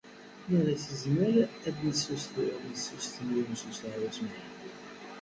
Nniɣ is nzmr ad nsestun Yunes u Saɛid u Smaɛil.